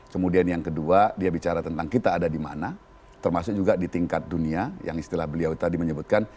kemudian yang kedua dia bicara tentang kita ada di mana termasuk juga di tingkat dunia yang istilah beliau tadi menyebutkan